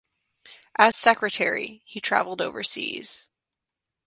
As Secretary, he traveled overseas.